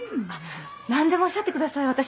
あっ何でもおっしゃってください